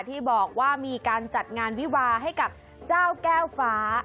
ที่บอกว่ามีการจัดงานวิวาให้กับเจ้าแก้วฟ้า